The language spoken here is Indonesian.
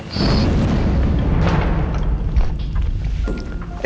oke tunggu ya